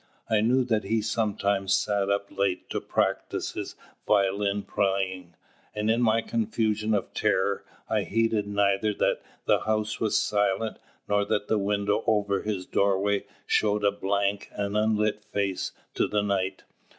I knew that he sometimes sat up late to practice his violin playing; and in my confusion of terror I heeded neither that the house was silent nor that the window over his doorway showed a blank and unlit face to the night.